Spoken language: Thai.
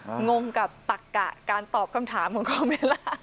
อ่ะงงกับตักกะการตอบคำถามของกองเวลา